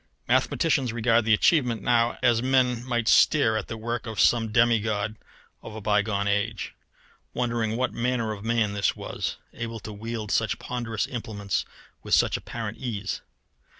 Mathematicians regard the achievement now as men might stare at the work of some demigod of a bygone age, wondering what manner of man this was, able to wield such ponderous implements with such apparent ease.